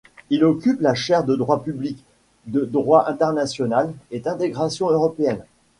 Il occupe la chaire de droit public, de droit international et d'intégration européenne.